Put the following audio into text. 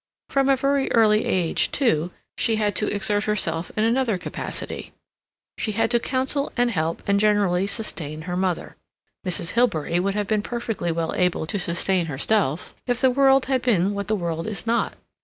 From a very early age, too, she had to exert herself in another capacity; she had to counsel and help and generally sustain her mother. Mrs. Hilbery would have been perfectly well able to sustain herself if the world had been what the world is not.